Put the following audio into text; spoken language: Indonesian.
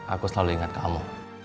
aku selalu ingat kamu